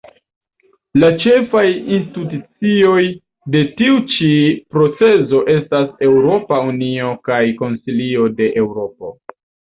La ĉefaj institucioj de tiu ĉi procezo estas Eŭropa Unio kaj Konsilio de Eŭropo.